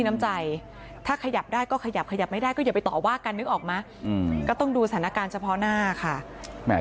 นี่ไม่อยู่กันเลย